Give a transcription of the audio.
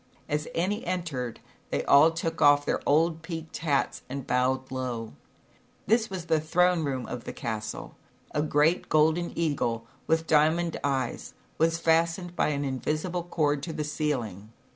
As Annie entered they all took off their odd peaked hats and bowed low. This was the throne room of the castle. A great golden eagle, with O O ^ Vk 1 O diamond eyes, was fastened by an invisible cord to the ceiling.